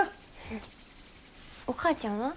お母ちゃんは？